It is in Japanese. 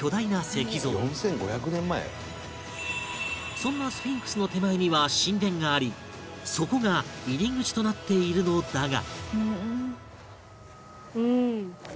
そんなスフィンクスの手前には神殿がありそこが入り口となっているのだが